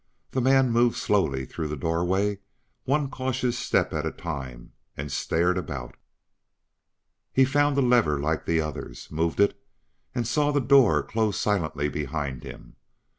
The man moved slowly through the doorway one cautious step at a time and stared about. He found a lever like the others, moved it and saw the door close silently behind him.